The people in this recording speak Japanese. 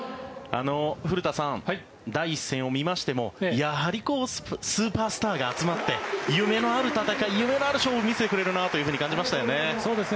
古田さん、第１戦を見ましてもやはりスーパースターが集まって夢のある戦い、夢のある勝負を見せてくれるなと感じましたよね。